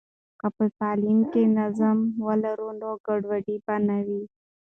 که په تعلیم کې نظم ولري، نو ګډوډي به نه وي.